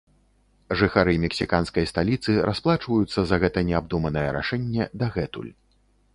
Жыхары мексіканскай сталіцы расплачваюцца за гэта неабдуманае рашэнне дагэтуль.